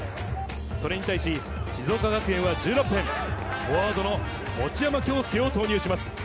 それに対し静岡学園は１６分、フォワードの持山匡佑を投入します。